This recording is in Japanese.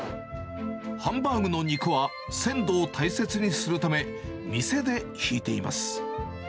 ハンバーグの肉は、鮮度を大切にするため、店でひいています。